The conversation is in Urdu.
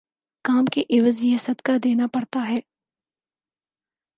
کام کے عوض یہ صدقہ دینا پڑتا ہے۔